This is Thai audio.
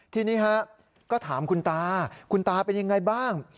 ทีนี้ฮะก็ถามคุณตาคุณตาเป็นยังไงบ้าง